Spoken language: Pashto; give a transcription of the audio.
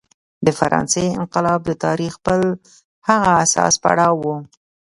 د فرانسې انقلاب د تاریخ بل هغه حساس پړاو و.